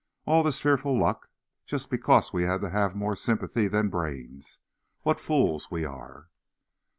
All this fearful luck just because we had to have more sympathy than brains! What fools we are!"